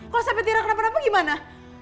kalau sampai tiara kenapa kenapa gimana